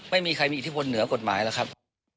ไม่มีใครมีอิทธิพลเหนือกฎหมายหรอกครับ